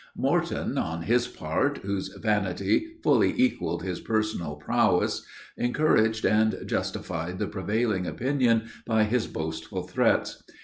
Morton, on his part, whose vanity fully equaled his personal prowess, encouraged and justified the prevailing opinion, by his boastful threats.